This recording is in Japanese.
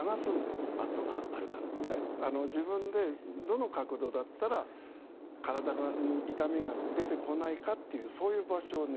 自分でどの角度だったら体に痛みが出てこないかっていうそういう場所をね